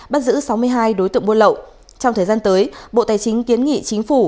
bắt giữ sáu mươi hai đối tượng buôn lậu trong thời gian tới bộ tài chính kiến nghị chính phủ